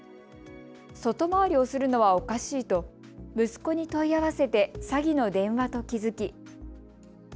外回りをするのはおかしいと息子に問い合わせて詐欺の電話と気付き。